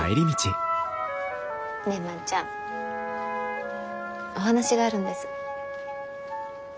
ねえ万ちゃんお話があるんです。